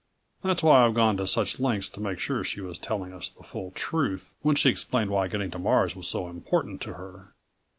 That's why I've gone to such lengths to make sure she was telling us the full truth when she explained why getting to Mars was so important to her."